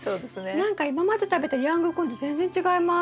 何か今まで食べたヤングコーンと全然違います。